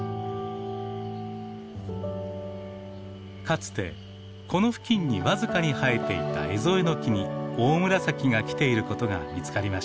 かつてこの付近に僅かに生えていたエゾエノキにオオムラサキが来ていることが見つかりました。